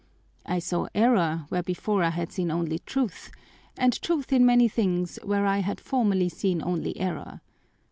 I saw error where before I had seen only truth, and truth in many things where I had formerly seen only error.